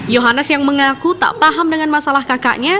yohanes yang mengaku tak paham dengan masalah kakaknya